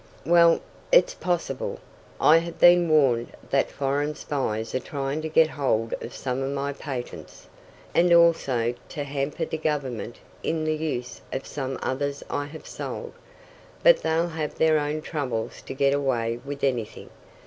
"Well, it's possible. I have been warned that foreign spies are trying to get hold of some of my patents, and also to hamper the government in the use of some others I have sold. But they'll have their own troubles to get away with anything.